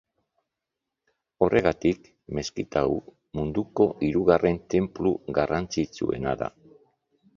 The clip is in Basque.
Horregatik, meskita hau munduko hirugarren tenplu garrantzitsuena da.